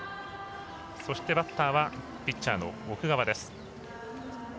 そしてバッターはピッチャーの奥川。